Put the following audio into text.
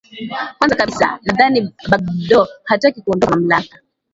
kwanza kabisa nadhani bagdbo hataki kuondoka mamlaka